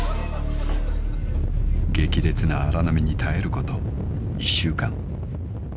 ［激烈な荒波に耐えること１週間］